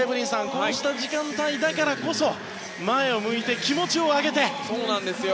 こうした時間帯だからこそ前を向いて気持ちを上げて。